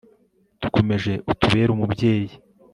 dukomeje, utubere umubyeyi